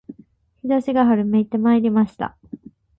陽射しが春めいてまいりました